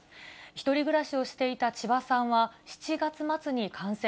１人暮らしをしていた千葉さんは、７月末に感染。